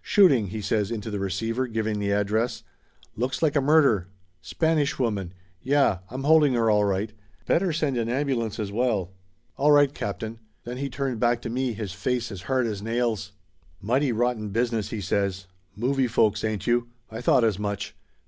"Shooting !" he says into the receiver giving the ad dress. "Looks like a murder. Spanish woman. Yeh, 306 Laughter Limited I'm holding her all right. Better send an ambulance as well. All right, captain !" Then he turned back to me, his face as hard as nails. "Mighty rotten business," he says. "Movie folks, ain't you? I thought as much!